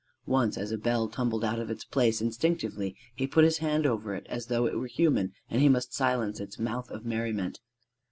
Once as a bell tumbled out of its place, instinctively he put his hand over it as though it were human and he must silence its mouth of merriment.